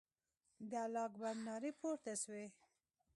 د الله اکبر نارې پورته سوې.